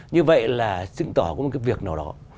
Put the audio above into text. như vậy là xin tỏ một cái việc nào đó